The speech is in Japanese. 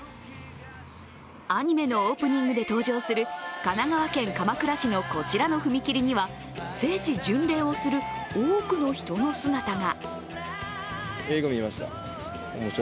アニメのオープニングで登場する神奈川県鎌倉市のこちらの踏切には聖地巡礼をする多くの人の姿が。